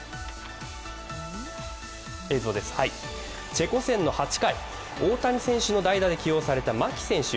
チェコ戦の８回、大谷選手の代打で起用された牧選手。